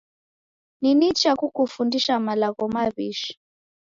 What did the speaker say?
Ni nicha kukufundisha malagho maw'ishi.